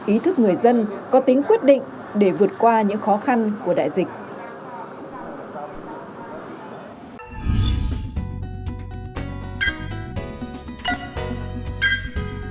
ý thức người dân có tính quyết định để vượt qua những khó khăn của đại dịch